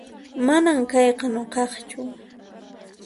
Manan kayqa nuqaqchu